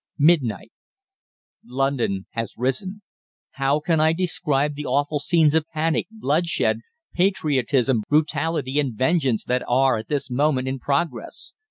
"Midnight. "London has risen! How can I describe the awful scenes of panic, bloodshed, patriotism, brutality, and vengeance that are at this moment in progress?